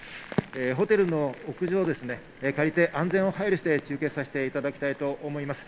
ホテルの屋上を借りて安全を配慮して中継させていただきたいと思います。